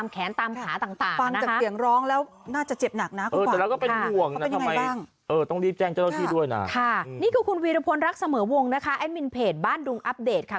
นี่คือคุณวีรพลรักเสมอวงนะคะแอดมินเพจบ้านดุงอัปเดตค่ะ